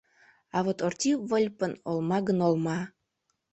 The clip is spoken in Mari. А вот Орти Выльыпын — олма гын, олма!